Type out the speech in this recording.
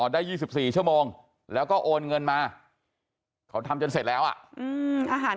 ได้๒๔ชั่วโมงแล้วก็โอนเงินมาเขาทำจนเสร็จแล้วอ่ะ